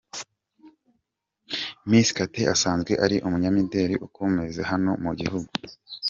Miss Kate asanzwe ari umunyamiderikazi ukomeye hano mu gihugu.